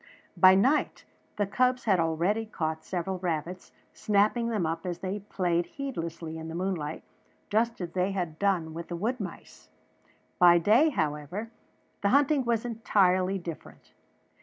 By night the cubs had already caught several rabbits, snapping them up as they played heedlessly in the moonlight, just as they had done with the wood mice. By day, however, the hunting was entirely different.